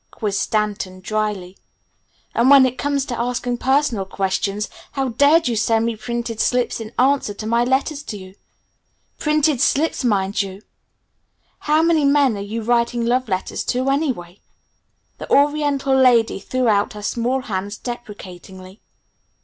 quizzed Stanton dryly. "And when it comes to asking personal questions, how dared you send me printed slips in answer to my letters to you? Printed slips, mind you!... How many men are you writing love letters to, anyway?" The oriental lady threw out her small hands deprecatingly.